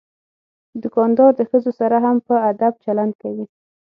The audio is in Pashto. دوکاندار د ښځو سره هم په ادب چلند کوي.